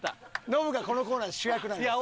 ノブがこのコーナー主役なんです。